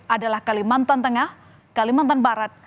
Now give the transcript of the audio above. adalah kalimantan tengah kalimantan barat